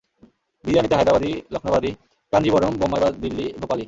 বিরিয়ানিতে হায়দ্রাবাদি, লক্ষনৌবাদি, কাঞ্জিবরম, বোম্বাই বা দিল্লী, ভোপালী।